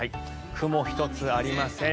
雲一つありません。